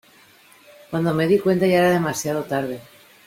cuando me di cuenta ya era demasiado tarde.